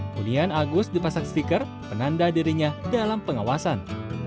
kemudian agus dipasang stiker penanda dirinya dalam pengawasan